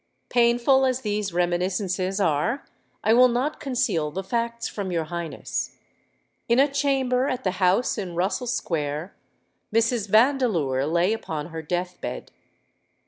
Painful as these reminiscences are, I will not conceal the facts from your Highness. In a chamber at the house in Russell Square Mrs. Vandeleur lay upon her death bed.